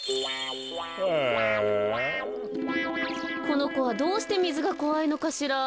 このこはどうしてみずがこわいのかしら？